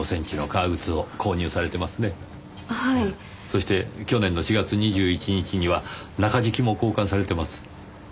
そして去年の４月２１日には中敷きも交換されています。